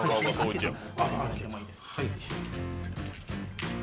はい。